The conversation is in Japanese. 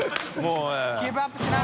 帖ギブアップしな。